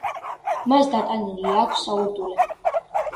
მას დატანილი აქვს საურდულე.